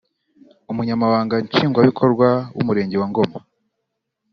umunyamabanga nshingwabikorwa w’umurenge wa Ngoma